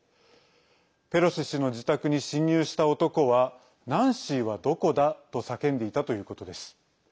ペロシ氏の自宅に侵入した男は「ナンシーはどこだ？」と叫んでいたということです。